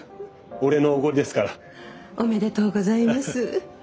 俺のおごりですから。おめでとうございます。